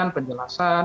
ini perlu ada pemantauan